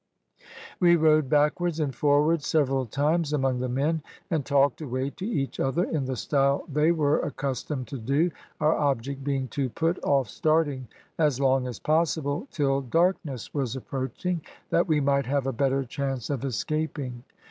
We rode backwards and forwards several times among the men, and talked away to each other in the style they were accustomed to do, our object being to put off starting as long as possible, till darkness was approaching, that we might have a better chance of escaping.